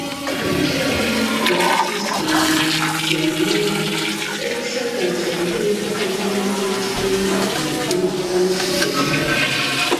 Kiam ili fiaskis en januaro, la eksa kanceliero Viktor Klima provis krei malplimultan registaron.